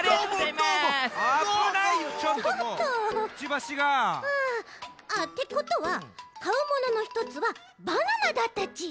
くちばしが！ってことはかうもののひとつはバナナだったち。